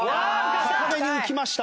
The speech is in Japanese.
高めに浮きました。